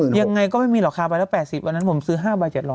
ดังไงก็ไม่มีราคาประจำแรก๘๐บาทวันนั้นผมซื้อ๕บาท๗๐๐บาท